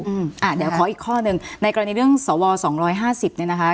อืมอ่ะเดี๋ยวขออีกข้อหนึ่งในกรณีเรื่องสว๒๕๐เนี่ยนะคะ